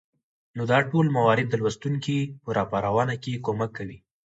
نو دا ټول موارد د لوستونکى په راپارونه کې کمک کوي